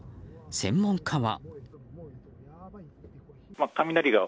専門家は。